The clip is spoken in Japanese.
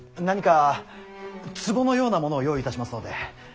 何か壺のようなものを用意いたしますので。